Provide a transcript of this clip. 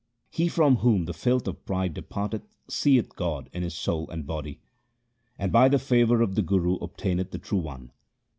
He from whom the filth of pride departeth seeth God in his soul and body, And by the favour of the Guru obtaineth the True One.